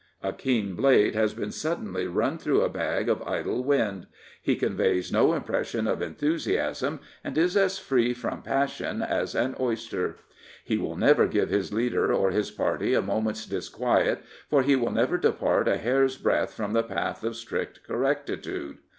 A keen blade has been suddenly run through a bag of idle wind He conveys no impression of enthusiasm and is as free from passion as an oyster. He will never give his leader or his party a moment's disquiet, for he will never depart a hair's breadth from the path of strict correctitude.